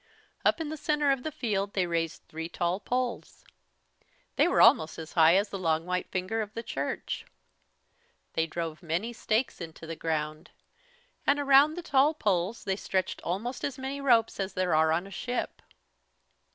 Up in the centre of the field they raised three tall poles. They were almost as high as the Long White Finger of the Church. They drove many stakes into the ground. And around the tall poles they stretched almost as many ropes as there are on a ship.